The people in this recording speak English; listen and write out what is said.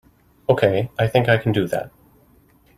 Okay, I think I can do that.